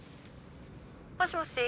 ☎「もしもし？